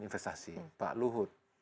investasi pak luhut